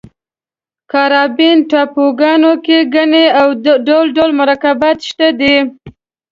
کارابین ټاپوګانو کې ګني او ډول ډول مرکبات شته دي.